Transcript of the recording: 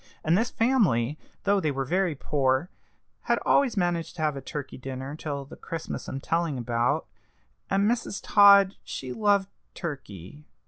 And this family, though they were very poor, had always managed to have a turkey dinner till the Christmas I'm telling about, and Mrs. Todd she loved turkey."